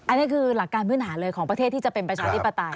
อันนี้คือหลักการพื้นฐานเลยของประเทศที่จะเป็นประชาธิปไตย